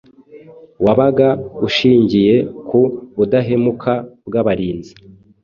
wabaga ushingiye ku budahemuka bw’abarinzi.